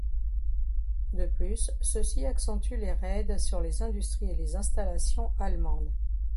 De plus, ceux-ci accentuent les raids sur les industries et les installations allemandes.